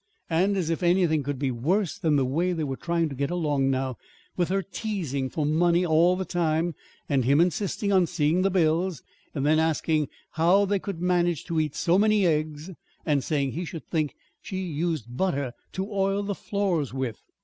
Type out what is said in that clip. And as if anything could be worse than the way they were trying to get along now, with her teasing for money all the time, and him insisting on seeing the bills, and then asking how they could manage to eat so many eggs, and saying he should think she used butter to oil the floors with.